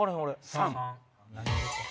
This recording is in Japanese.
３。